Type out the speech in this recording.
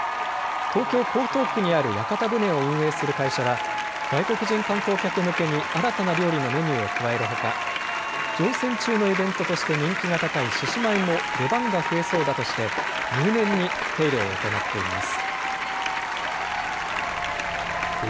東京江東区にある屋形船を運営する会社は外国人観光客向けに新たな料理のメニューを加えるほか、乗船中のイベントとして人気が高い獅子舞も出番が増えそうだとして入念に手入れを行っています。